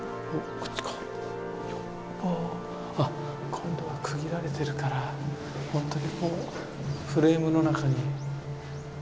今度は区切られてるからほんとにこうフレームの中に。